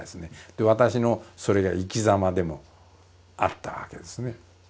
で私のそれが生きざまでもあったわけですね。